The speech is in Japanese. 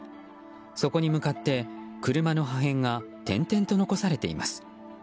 そこに向かって車の破片が転々と残されています。